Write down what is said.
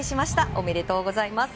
おめでとうございます。